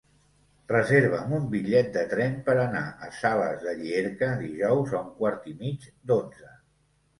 Reserva'm un bitllet de tren per anar a Sales de Llierca dijous a un quart i mig d'onze.